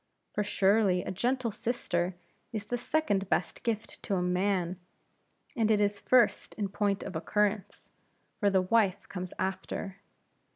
For surely a gentle sister is the second best gift to a man; and it is first in point of occurrence; for the wife comes after.